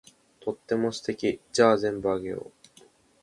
とっても素敵。じゃあ全部あげよう。